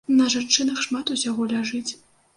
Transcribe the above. На жанчынах шмат усяго ляжыць.